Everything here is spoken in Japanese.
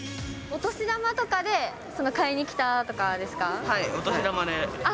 お年玉とかで買いに来たとかはい、お年玉で。